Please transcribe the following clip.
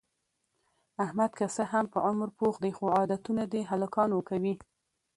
احمد که څه هم په عمر پوخ دی، خو عادتونه د هلکانو کوي.